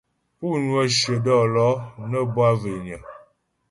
Pú ŋwə shyə dɔ̌lɔ̌ nə́ bwâ zhwényə.